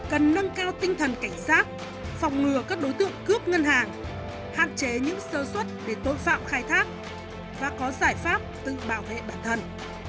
cần nâng cao tinh thần cảnh giác phòng ngừa các đối tượng cướp ngân hàng hạn chế những sơ xuất để tội phạm khai thác và có giải pháp tự bảo vệ bản thân